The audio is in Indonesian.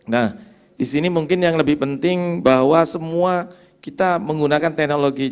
nah di sini mungkin yang lebih penting bahwa semua kita menggunakan teknologi